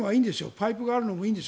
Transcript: パイプがあるのはいいんです。